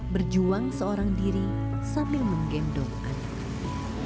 berjuang seorang diri sambil menggendong anak